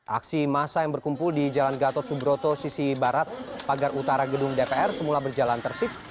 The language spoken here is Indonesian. aksi masa yang berkumpul di jalan gatot subroto sisi barat pagar utara gedung dpr semula berjalan tertib